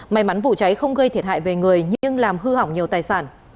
may mắn vụ cháy không gây thiệt hại về người nhưng làm hư hỏng nhiều tài sản